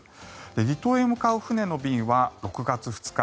離島へ向かう船の便は６月２日